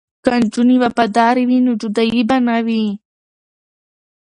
که نجونې وفادارې وي نو جدایی به نه وي.